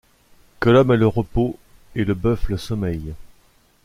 Que l’homme ait le repos et le bœuf le sommeil!